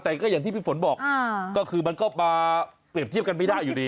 แต่ก็อย่างที่พี่ฝนบอกก็คือมันก็มาเปรียบเทียบกันไม่ได้อยู่ดี